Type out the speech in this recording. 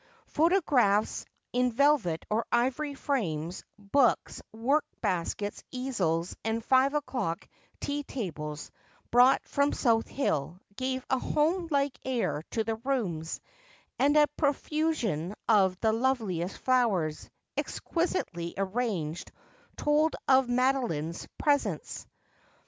Photographs in velvet or ivory frames, books, work baskets, easels, and five o'clock tea tables, brought from South Hill, gave a home like air to the rooms ; and a profusion of the loveliest flowers, exquisitely arranged, told of Madoline's presence.